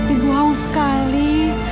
ibu haus sekali